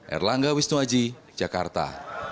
erlangga wisnuaji jakarta